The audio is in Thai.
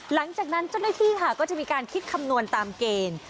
หลังจากนั้นเจ้าหน้าที่ค่ะก็จะมีการคิดคำนวณตามเกณฑ์